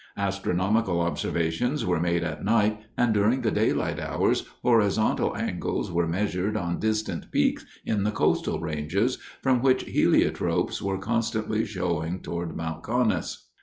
Astronomical observations were made at night, and during the daylight hours horizontal angles were measured on distant peaks in the Coast Ranges from which heliotropes were constantly showing toward Mount Conness.